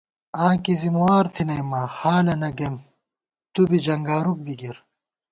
آں کی ذمہ وار تھنَئیما، حالَنہ گَئیم تُو بی جنگارُوک بی گِر